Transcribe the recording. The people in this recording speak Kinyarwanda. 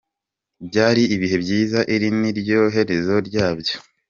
Byari ibihe byiza iri niryo herezo ryabyo.